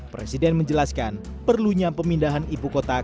presiden menjelaskan perlunya pemindahan ibu kota